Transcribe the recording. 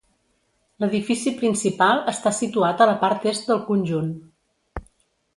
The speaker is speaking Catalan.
L'edifici principal està situat a la part est del conjunt.